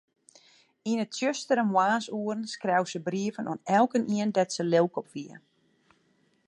Yn 'e tsjustere moarnsoeren skreau se brieven oan elkenien dêr't se lilk op wie.